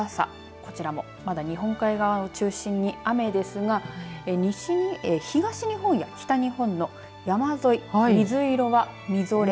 こちらもまだ日本海側を中心に雨ですが東日本や北日本の山沿い、水色は、みぞれ。